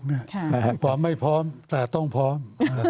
คุณฟร้อมไม่พร้อมต้องพร้อม